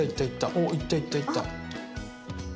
おっいったいったいった！